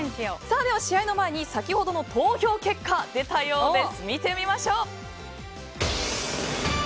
では試合の前に先ほどの投票結果出たようです。